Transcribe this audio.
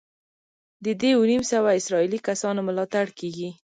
د دې اووه نیم سوه اسرائیلي کسانو ملاتړ کېږي.